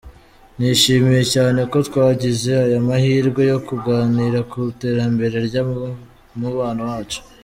Nishimiye cyane ko twagize aya mahirwe yo kuganira ku iterambere ry’umubano wacu.